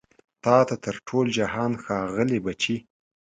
تا ته تر ټول جهان ښاغلي بچي